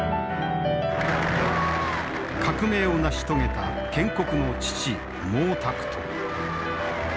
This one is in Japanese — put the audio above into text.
革命を成し遂げた建国の父毛沢東。